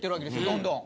どんどん。